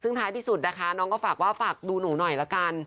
ซึ่งท้ายที่สุดนะคะน้องก็ฝากว่าฝากดูหนูหน่อยละกัน